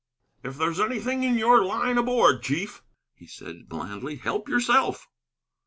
"If there's anything in your line aboard, chief," he said blandly, "help yourself!"